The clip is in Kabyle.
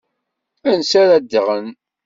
Ansa ara ddɣen?